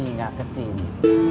tapi gak kesini